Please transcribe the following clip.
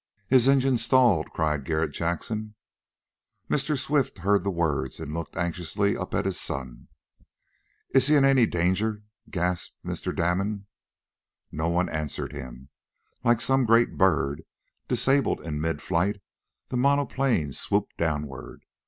"His engine's stalled!" cried Garret Jackson. Mr. Swift heard the words, and looked anxiously up at his son. "Is he in any danger?" gasped Mr. Damon. No one answered him. Like some great bird, disabled in mid flight, the monoplane swooped downward.